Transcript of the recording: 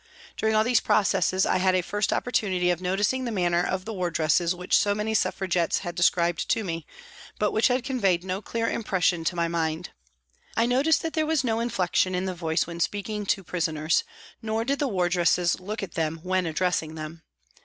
During all these processes I had a first opportunity of noticing the manner of the wardresses which so many Suffragette friends had described to me, but which had conveyed no clear impression to my mind. I noticed that there was no inflection in the voice when speaking to prisoners, nor did the wardresses look at them when addressing them.